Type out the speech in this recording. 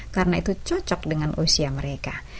karena itu cocok dengan usia mereka